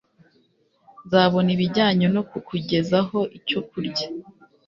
Nzabona ibijyanye no kukugezaho icyo kurya.